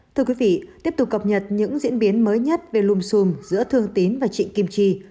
thưa quý vị tiếp tục cập nhật những diễn biến mới nhất về lùm xùm giữa thương tín và trịnh kim chi